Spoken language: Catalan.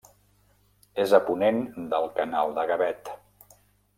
És a ponent del Canal de Gavet.